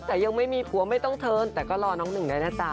แต่ยังไม่มีผัวไม่ต้องเทินแต่ก็รอน้องหนึ่งได้นะจ๊ะ